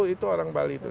itu orang bali itu